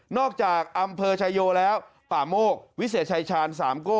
นอกจากอำเภอชายวแล้วป่าโมกวิเศษชายชาญ๓ก้ว